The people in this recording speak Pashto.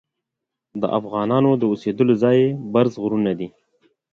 د افغانانو د اوسیدلو ځای برز غرونه دي.